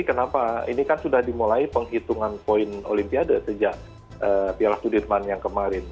kenapa ini kan sudah dimulai penghitungan poin olimpiade sejak piala sudirman yang kemarin